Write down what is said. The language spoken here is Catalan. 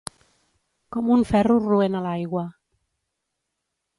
Com un ferro roent a l'aigua.